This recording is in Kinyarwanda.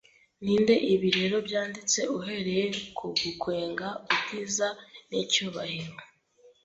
Ninde ibi rero byanditse uhereye ku gukwega ubwiza nicyubahiro